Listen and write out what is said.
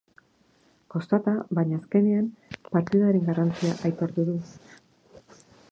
Kostata, baina azkenean partidaren garrantzia aitortu du.